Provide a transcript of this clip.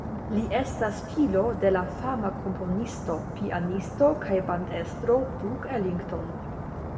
Li estas filo de la fama komponisto, pianisto kaj bandestro Duke Ellington.